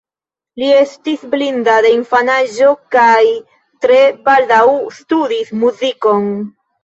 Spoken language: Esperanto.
Li estis blinda de infanaĝo, kaj tre baldaŭ studis muzikon.